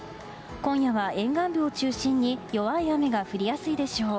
今夜は沿岸部を中心に弱い雨が降りやすいでしょう。